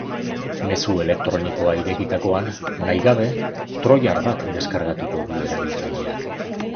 Mezu elektronikoa irekitakoan, nahi gabe, troiar bat deskargatuko du erabiltzaileak.